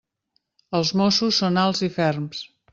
Els mossos són alts i ferms.